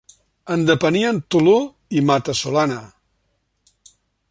En depenien Toló i Mata-solana.